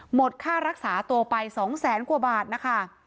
หมดค่ารักษาตัวไป๒แสนกว่าบาทนะคะ